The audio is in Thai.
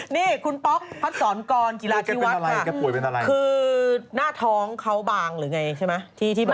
นี่คุณป๊อกพัดศรกรกีฬาที่วัดคือหน้าท้องเขาบางหรือไงใช่ไหม